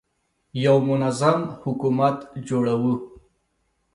یو منظم حکومت جوړوو.